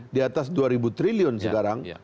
di atas dua ribu triliun sekarang